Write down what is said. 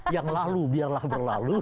yang lalu biarlah berlalu